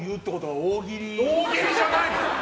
大喜利じゃないです！